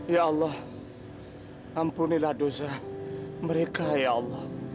ya allah ampunilah dosa mereka ya allah